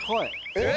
・えっ？